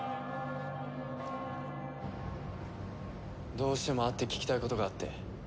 どうしても会って聞きたいことがあって。